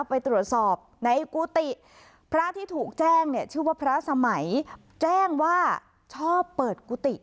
ไปตรวจสอบในกุฏิพระที่ถูกแจ้งเนี่ยชื่อว่าพระสมัยแจ้งว่าชอบเปิดกุฏิ